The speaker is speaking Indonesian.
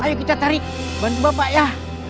ayo kita tarik bantu bapak ya